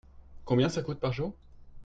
Combien ça coûte par jour ?